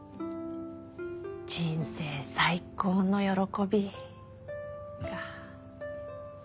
人生最高の喜びか。